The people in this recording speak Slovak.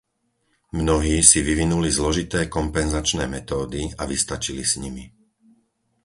Mnohí si vyvinuli zložité kompenzačné metódy a vystačili s nimi.